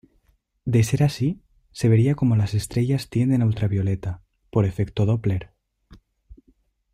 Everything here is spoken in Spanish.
De ser así, se vería cómo las estrellas tienden a ultravioleta, por efecto Doppler.